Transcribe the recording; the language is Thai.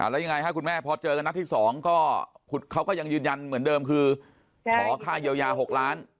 แล้วยังไงครับคุณแม่พอเจอกันนัดที่๒ก็เขาก็ยังยืนยันเหมือนเดิมคือขอค่าเยียวยา๖ล้าน